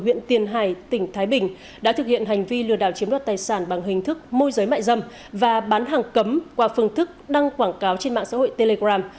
huyện tiền hải tỉnh thái bình đã thực hiện hành vi lừa đảo chiếm đoạt tài sản bằng hình thức môi giới mại dâm và bán hàng cấm qua phương thức đăng quảng cáo trên mạng xã hội telegram